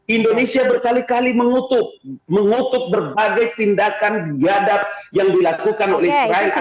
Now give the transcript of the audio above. indonesia berkali kali mengutuk mengutuk berbagai tindakan diadat yang dilakukan oleh rakyat atas pemerintah